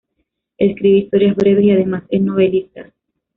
Escribe historias breves y además es novelista.